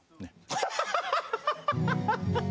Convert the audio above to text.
ハハハハハハ。